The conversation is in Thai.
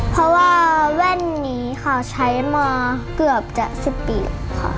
เพราะว่าแว่นนี้ค่ะใช้มาเกือบจะ๑๐ปีแล้วค่ะ